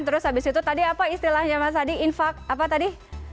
terus habis itu tadi apa istilahnya mas adi infak apa tadi